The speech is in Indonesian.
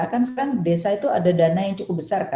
kan sekarang desa itu ada dana yang cukup besar